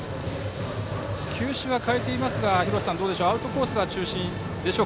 球種は変えていますがどうですかアウトコースが序盤は中心でしょうか。